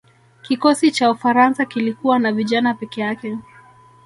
kikosi cha ufaransa kilikuwa na vijana peke yake